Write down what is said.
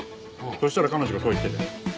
そしたら彼女がそう言ってて。